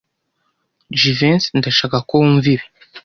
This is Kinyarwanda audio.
Jivency, ndashaka ko wumva ibi.